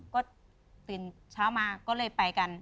ก็ตื่นเช้ามาก็เลยไปกัน